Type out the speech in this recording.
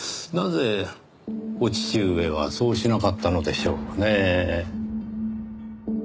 なぜお父上はそうしなかったのでしょうねぇ？